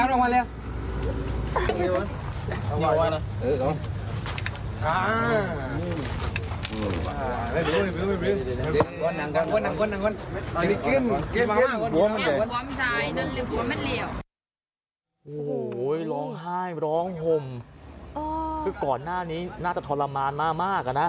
โอ้โหร้องไห้ร้องห่มคือก่อนหน้านี้น่าจะทรมานมากอะนะ